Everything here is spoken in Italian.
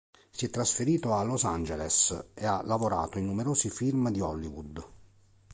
Si è trasferito a Los Angeles e ha lavorato in numerosi film di Hollywood.